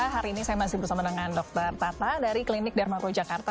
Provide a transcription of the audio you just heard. hari ini saya masih bersama dengan dokter tata dari klinik dharmaco jakarta